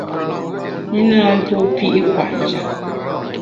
I na ntuo pi’ kwet njap.